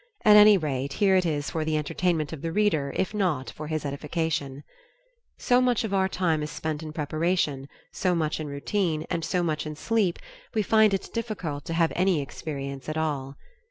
At any rate here it is for the entertainment of the reader if not for his edification: "So much of our time is spent in preparation, so much in routine, and so much in sleep, we find it difficult to have any experience at all."